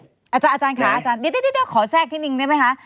อาจารย์ค่ะอาจารย์เดี๋ยวขอแทรกนิดนึงได้ไหมคะ